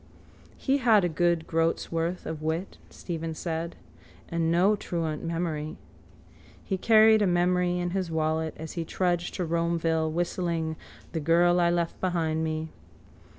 —He had a good groatsworth of wit, Stephen said, and no truant memory. He carried a memory in his wallet as he trudged to Romeville whistling _The girl I left behind me.